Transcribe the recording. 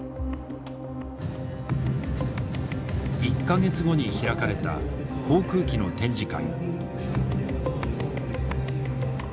１か月後に開かれた航空機の展示会。